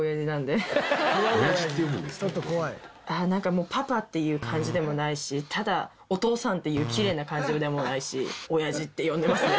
なんかもうパパっていう感じでもないしただお父さんっていうきれいな感じでもないしオヤジって呼んでますね。